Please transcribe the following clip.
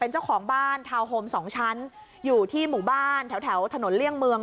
เจ้าของบ้านทาวน์โฮมสองชั้นอยู่ที่หมู่บ้านแถวแถวถนนเลี่ยงเมือง